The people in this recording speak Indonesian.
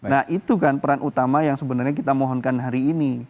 nah itu kan peran utama yang sebenarnya kita mohonkan hari ini